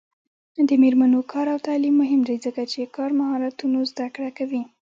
د میرمنو کار او تعلیم مهم دی ځکه چې کار مهارتونو زدکړه کوي.